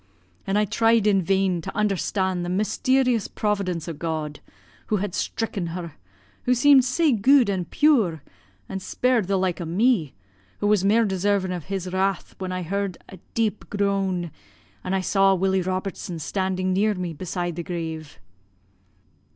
An' I tried in vain to understan' the mysterious providence o' God, who had stricken her, who seemed sae gude and pure, an' spared the like o' me, who was mair deservin' o' his wrath, when I heard a deep groan, an' I saw Willie Robertson standing near me beside the grave.